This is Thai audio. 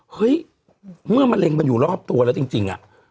เฮ้ยเมื่อมะเร็งมันอยู่รอบตัวแล้วจริง